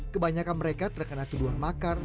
kebanyakan mereka terkena tuduhan makar